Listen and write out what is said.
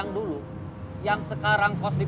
masa itu kita mau ke tempat yang lebih baik